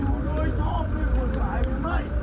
ผมโดยชอบถ้าผู้สาวหรือไม่